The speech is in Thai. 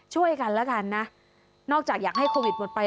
ช่วยกันแล้วกันนะนอกจากอยากให้โควิดหมดไป